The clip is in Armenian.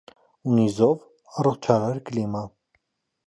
Ունի զով, առողջարար կլիմա։